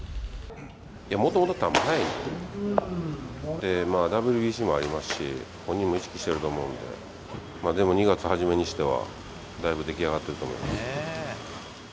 もともと球速いんでね、ＷＢＣもありますし、本人も意識していると思うんで、でも２月初めにしては、だいぶ出来上がってると思います。